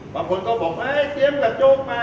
เป็นผมก็บอกเชีย้มกระโจป๊ะ